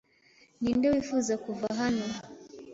Ninde wifuza kuva hano?